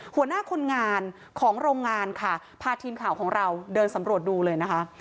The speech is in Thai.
หัวหน้าคนงานของโรงงานค่ะพาทีมข่าวของเราเดินสำรวจดูเลยนะคะ